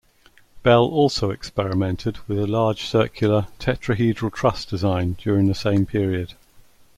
Bell also experimented with a large circular "tetrahedral truss" design during the same period.